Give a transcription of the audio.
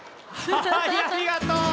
ありがとう！